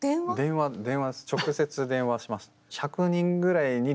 直接電話しました。